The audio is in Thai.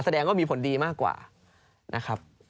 แสดงว่ามีผลดีมากกว่านะครับ